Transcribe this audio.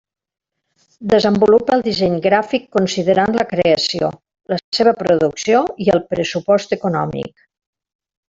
Desenvolupa el disseny gràfic considerant la creació, la seva producció i el pressupost econòmic.